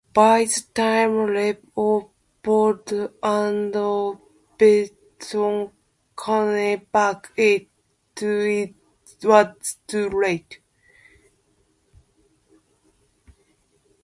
By the time Leopold and Berthold came back, it was too late.